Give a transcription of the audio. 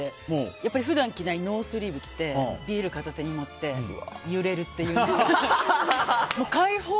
やっぱり普段着ないノースリーブ着てビール片手に持って揺れるっていう。